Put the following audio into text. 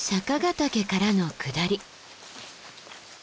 岳からの下り。